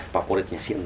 favoritnya si neng